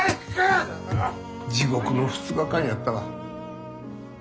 地獄の２日間やったわ。